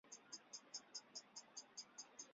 鼓励市民置业再不是政府房屋政策的目标。